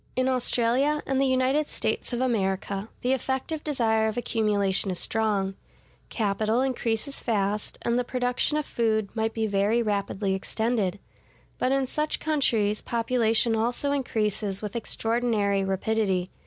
In Australia and the United States of America, the effective desire of accumulation is strong; capital increases fast, and the production of food might be very rapidly extended. But in such countries population also increases with extraordinary rapidity.